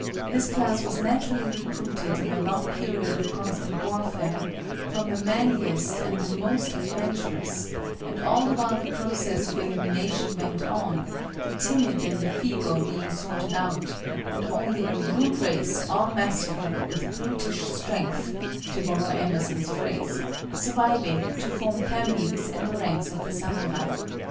This class was naturally recruited, in a long period of constant warfare, from the manliest and the most adventurous, and all the while the process of elimination went on, the timid and the feeble being sorted out, and only "a rude race, all masculine, with brutish strength," to borrow Emerson's phrase, surviving to form families and the ranks of the samurai.